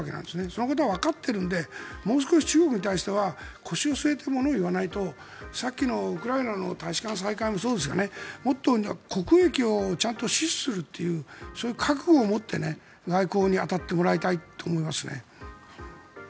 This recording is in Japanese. そのことはわかっているのでもう少し中国に対しては腰を据えてものを言わないとさっきのウクライナの大使館再開もそうですがもっと国益をちゃんと死守するというそういう覚悟を持って外交に当たってもらいたいと思いますね。